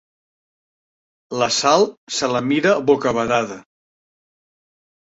La Sal se la mira bocabadada.